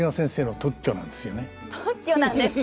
特許なんですか。